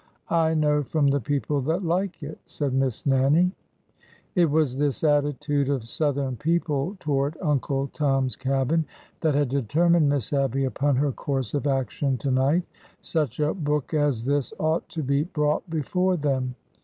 " I know from the people that like it 1 " said Miss Nannie. It was this attitude of Southern people toward " Uncle Tom's Cabin " that had determined Miss Abby upon her course of action to night. Such a book as this ought to be brought before them